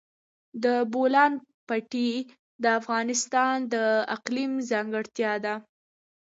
د بولان پټي د افغانستان د اقلیم ځانګړتیا ده.